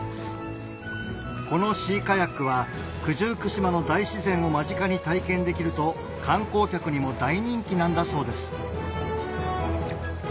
このシーカヤックは九十九島の大自然を間近に体験できると観光客にも大人気なんだそうです